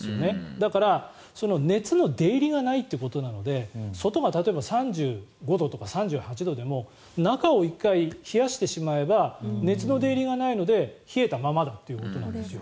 だから、熱の出入りがないということなので外が例えば３５度とか３８度でも中を１回、冷やしてしまえば熱の出入りがないので冷えたままだということなんですよ。